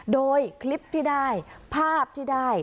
โดยคลิปที่ได้ภาพที่ได้